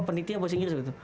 panitia apa singgir segitu